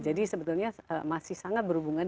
jadi sebetulnya masih sangat berhubungan